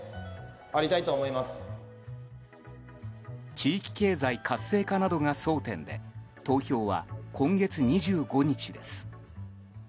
地域経済活性化などが争点で投票は今月２５日です。